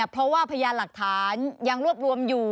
เพราะว่าพยานหลักฐานยังรวบรวมอยู่